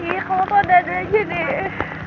ih kalau tau nggak ada lagi deh